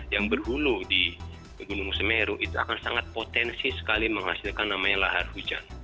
yang berhulu di gunung semeru itu akan sangat potensi sekali menghasilkan namanya lahar hujan